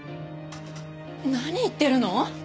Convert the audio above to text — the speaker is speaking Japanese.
何言ってるの！？